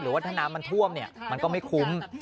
ว่าถ้าน้ำมันท่วมมันก็ไม่คุ้ม